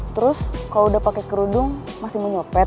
terus kalau udah pakai kerudung masih mau nyopet